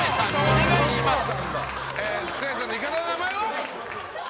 お願いします